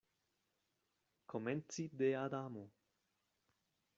Komenci de Adamo.